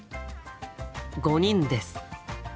５人です。